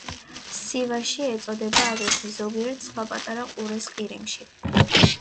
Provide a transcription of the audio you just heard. სივაში ეწოდება აგრეთვე ზოგიერთ სხვა პატარა ყურეს ყირიმში.